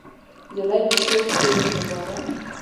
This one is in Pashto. نجلۍ په شور کې د باران